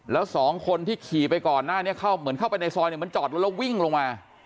แล้วสองคนที่ขี่ไปก่อนหน้านี้เข้าเหมือนเข้าไปในซอยเนี่ยมันจอดรถแล้ววิ่งลงมา